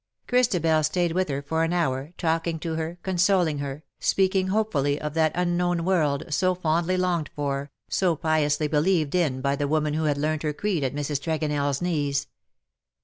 Christabel stayed with her for an hour, talking to her, consoling her, speaking hopefully of that un known world, so fondly longed for, so piously believed in by the woman who had learnt her creed at Mrs. TregonelFs knees.